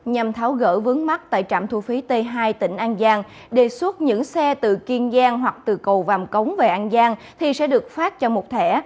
nhằm tháo gỡ vướng mắt tại trạm thu phí t hai tỉnh an giang đề xuất những xe từ kiên giang hoặc từ cầu vàm cống về an giang thì sẽ được phát cho một thẻ